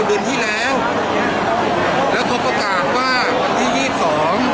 เดือนที่แล้วแล้วเขาประกาศว่าวันที่ยี่สิบสอง